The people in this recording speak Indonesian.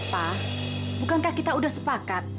pa bukankah kita udah sepakat